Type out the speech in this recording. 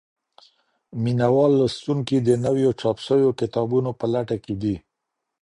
مينه وال لوستونکي د نويو چاپ سوو کتابونو په لټه کي دي.